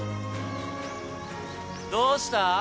どうした？